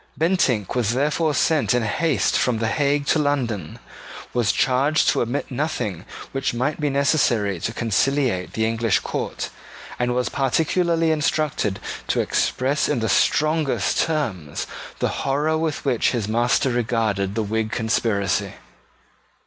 Bentinck was therefore sent in haste from the Hague to London, was charged to omit nothing which might be necessary to conciliate the English court, and was particularly instructed to express in the strongest terms the horror with which his master regarded the Whig conspiracy.